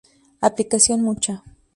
Aplicación mucha.